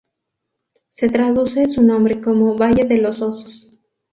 Se traduce su nombre como "valle de los osos".